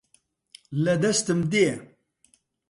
لە دەستم دێ